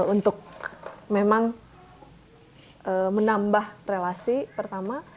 untuk memang menambah relasi pertama